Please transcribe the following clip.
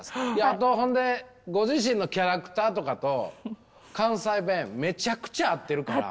あとほんでご自身のキャラクターとかと関西弁めちゃくちゃ合ってるから。